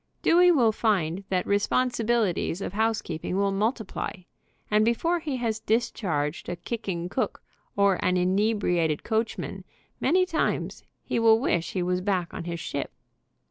Dewey will find that responsibili ties of housekeeping will multiply, and before he has discharged a kicking cook or an inebriated coachman, many times, he will wish he was back on his ship.